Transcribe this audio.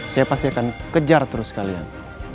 saya pasti akan kejar terus kalian